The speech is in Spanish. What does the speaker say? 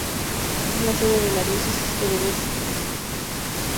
Es la sede de la Diócesis de Venice.